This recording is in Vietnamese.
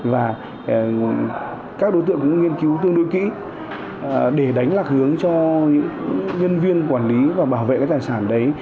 và các đối tượng cũng nghiên cứu tương đối kỹ để đánh lạc hướng cho những nhân viên quản lý và bảo vệ cái tài sản đấy